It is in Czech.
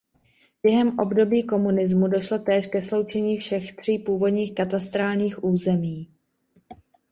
Během období komunismu došlo též ke sloučení všech tří původních katastrálních území.